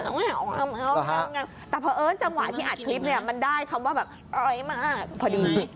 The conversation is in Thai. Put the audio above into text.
แต่เพราะเอิ้นจังหวะที่อัดคลิปมันได้คำว่าอร่อยมากพอดี